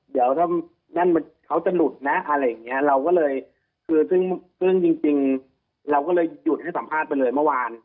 เดี๋ยวถ้านั่นเขาจะหลุดนะอะไรอย่างเงี้ยเราก็เลยคือซึ่งซึ่งจริงเราก็เลยหยุดให้สัมภาษณ์ไปเลยเมื่อวาน